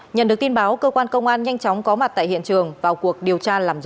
nhận được tin báo cơ quan công an nhanh chóng có mặt tại hiện trường vào cuộc điều tra làm rõ